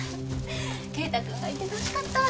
啓太君がいて助かった！